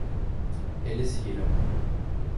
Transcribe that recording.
Eles riram